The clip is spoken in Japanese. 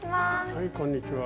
はいこんにちは。